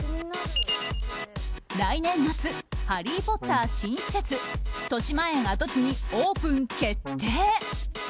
来年夏「ハリー・ポッター」新施設としまえん跡地にオープン決定。